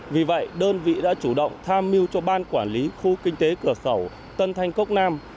vì vậy đơn vị đã chủ động tham mưu cho ban quản lý khu kinh tế cửa khẩu tân thanh cốc nam